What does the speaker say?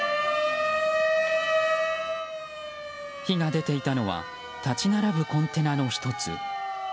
火が出ていたのは立ち並ぶコンテナの１つ。